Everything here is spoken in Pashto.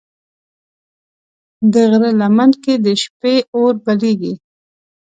د غره لمن کې د شپې اور بلېږي.